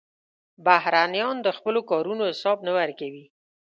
بهرنیان د خپلو کارونو حساب نه ورکوي.